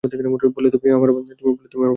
বললে, তুমি আমার বাজনা শুনবে?